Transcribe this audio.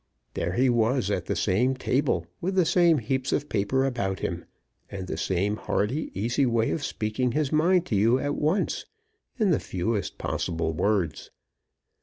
There he was at the same table, with the same heaps of papers about him, and the same hearty, easy way of speaking his mind to you at once, in the fewest possible words.